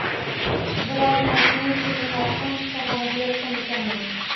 Bir ozdan keyin ko`zimni ochsam shifoxonada yotgan ekanman